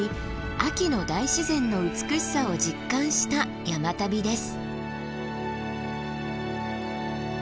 秋の大自然の美しさを実感した山旅です。